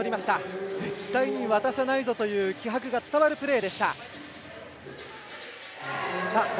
絶対に渡さないぞという気迫が伝わるプレー。